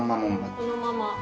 このまま。